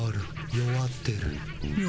弱ってる。